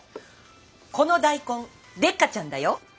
この大根デッカチャンだよ。